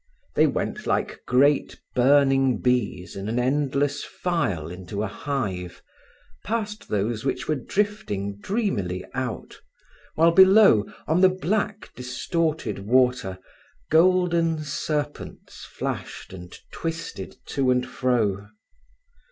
They went like great burning bees in an endless file into a hive, past those which were drifting dreamily out, while below, on the black, distorted water, golden serpents flashed and twisted to and fro.